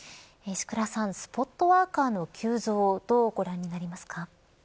スポットワーカーの急増どうご覧になりますか。